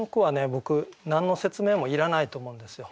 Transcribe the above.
僕何の説明もいらないと思うんですよ。